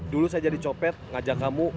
dulu saya jadi copet ngajak kamu